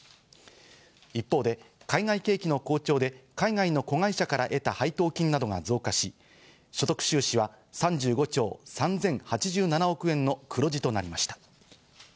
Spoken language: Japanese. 一方で海外景気の好調で海外の子会社から得た配当金などが増加し、所得収支は３５兆３０８７億円の黒字となりました。